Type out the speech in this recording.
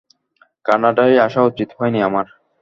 কানাডায় আসা উচিত হয়নি আমার।